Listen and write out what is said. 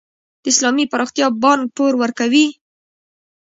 د اسلامي پراختیا بانک پور ورکوي؟